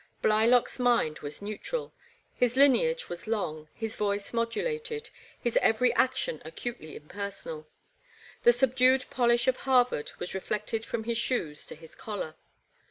Blylock' s mind was neutral. His lineage was long, his voice modulated, his every action acutely impersonal. The subdued polish of Harvard was reflected from his shoes to his collar.